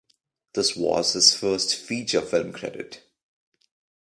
This was his first feature film credit.